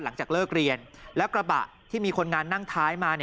หลังจากเลิกเรียนแล้วกระบะที่มีคนงานนั่งท้ายมา